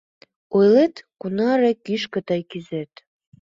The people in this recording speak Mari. Ойлет, кунаре кӱшкӧ тый кӱзет